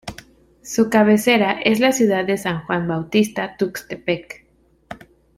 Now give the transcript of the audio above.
Su cabecera es la ciudad de San Juan Bautista Tuxtepec.